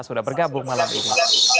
sudah bergabung malam ini